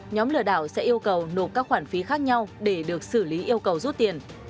nhóm lừa đảo sẽ yêu cầu nộp các khoản phí khác nhau để được xử lý yêu cầu rút tiền